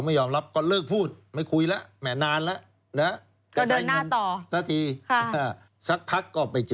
ถ้ายอมความคดีแพ่งในหมวดจรูลนี่ไม่ธรรมดา